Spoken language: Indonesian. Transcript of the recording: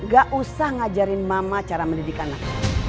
gak usah ngajarin mama cara mendidik anak